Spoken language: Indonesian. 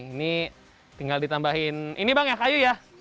ini tinggal ditambahin ini bang ya kayu ya